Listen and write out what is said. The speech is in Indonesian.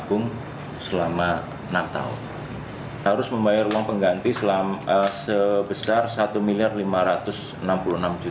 harus membayar uang pengganti sebesar rp satu lima ratus enam puluh enam